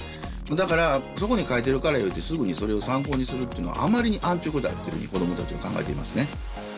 だからそこに書いてるからいうてすぐにそれを参考にするっていうのはあまりに安直だっていうふうに子供たちは考えていますね。